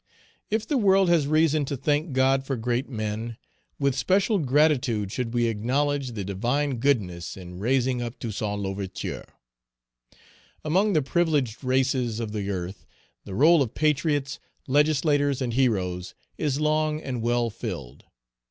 If the world has reason to thank God for great men, with special gratitude should we acknowledge the divine goodness in raising up Toussaint L'Ouverture. Among the privileged races of the earth, the roll of patriots, legislators, and heroes is long and well filled.